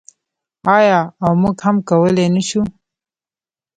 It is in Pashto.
آیا او موږ هم کولی نشو؟